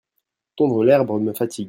Tondre l'herbe me fatigue.